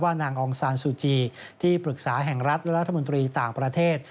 นางองซานซูจีที่ปรึกษาแห่งรัฐและรัฐมนตรีต่างประเทศ